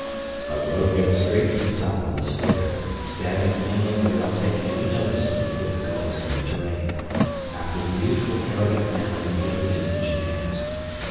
A road ran straight from the top of the stair, stabbing inland without taking any notice of the difficulties of the terrain, after the usual arrogant manner of the alien engineers.